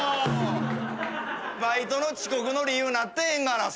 バイトの遅刻の理由なってへんがなそれ。